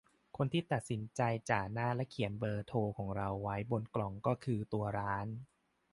คนที่ตัดสินใจจ่าหน้าและเขียนเบอร์โทรของเราไว้บนกล่องก็คือตัวร้าน